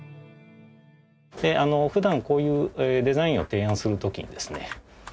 普段こういうデザインを提案する時にですね